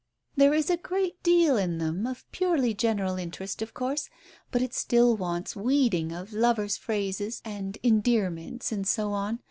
"There is a great deal in them of purely general in terest, of course, but it still wants weeding of lover's phrases and endearments and so on.